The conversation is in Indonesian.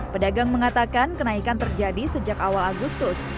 pedagang mengatakan kenaikan terjadi sejak awal agustus